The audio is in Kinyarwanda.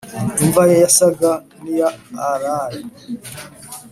imva ye yasaga niya allayne.